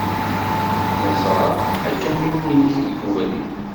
Neẓra akamyun-nnek deg ubrid.